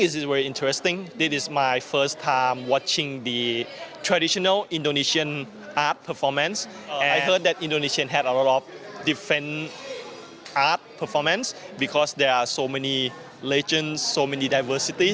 saya sangat menarik untuk melihat performa artis indonesia karena ada banyak legenda dan diversitas